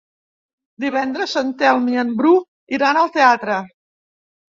Divendres en Telm i en Bru iran al teatre.